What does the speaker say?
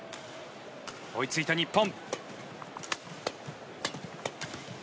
追いついた日本。